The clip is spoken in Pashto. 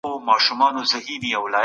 دښمن د تاریخ ټوله پانګه حرامه بللې وه.